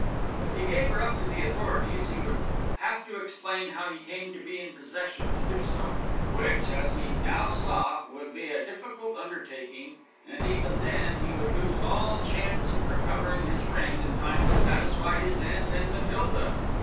If he gave her up to the authorities, he would have to explain how he came to be in a position to do so, which, as he now saw, would be a difficult undertaking; and even then he would lose all chance of recovering his ring in time to satisfy his aunt and Matilda.